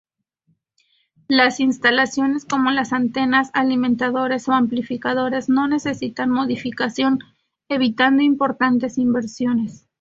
Las instalaciones como las antenas, alimentadores o amplificadores no necesitan modificación, evitando importantes inversiones.